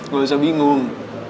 gak usah bingung